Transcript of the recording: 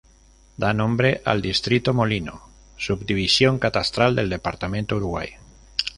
Da nombre al "Distrito Molino", subdivisión catastral del Departamento Uruguay.